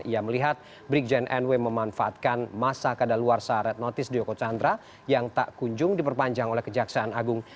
ia melihat brikjen nw memanfaatkan masa kadar luar saat red notice di joko chandra yang tak kunjung diperpanjang oleh kejaksaan agung